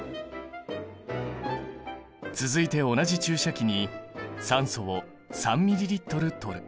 続いて同じ注射器に酸素を３ｍＬ取る。